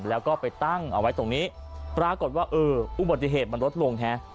แล้วก็ไปตั้งเอาไว้ตรงนี้ปรากฏว่าเอออุบัติเหตุมันลดลงฮะ